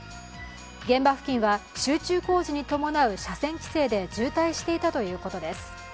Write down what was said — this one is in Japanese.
現場付近は集中工事に伴う車線規制で渋滞していたということです。